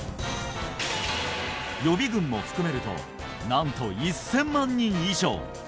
予備軍も含めるとなんと１０００万人以上！